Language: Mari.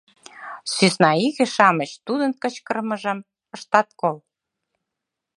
Сӧсна иге-шамыч тудын кычкырымыжым ыштат кол.